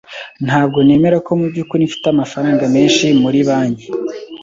Ntabwo nemera ko mubyukuri mfite amafaranga menshi muri banki.